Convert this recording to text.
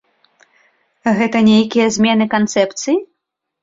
Гэта нейкія змены канцэпцыі?